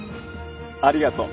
ありがとう。